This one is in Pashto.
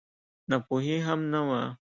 ناپوهي هم نه وه.